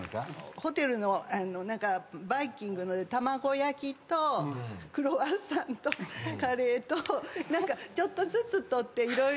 ホテルのあの何かバイキングの卵焼きとクロワッサンとカレーと何かちょっとずつ取って色々。